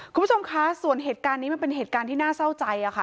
คุณผู้ชมคะส่วนเหตุการณ์นี้มันเป็นเหตุการณ์ที่น่าเศร้าใจค่ะ